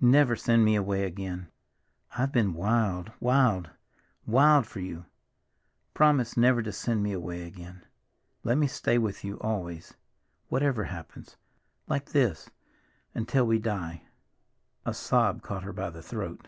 "Never send me away again. I've been wild, wild, wild for you! Promise never to send me away again. Let me stay with you always—whatever happens—like this—until we die!" A sob caught her by the throat.